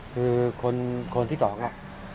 คือคนที่๒อะ